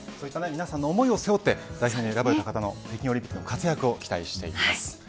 皆さんの思いを背負って代表に選ばれた方の北京オリンピックの活躍を期待していきます。